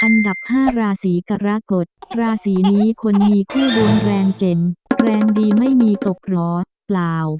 อันดับ๕ราศีกรกฎราศีนี้คนมีคู่ดวงแรงเก่งแรงดีไม่มีตกเหรอเปล่า